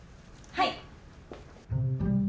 はい！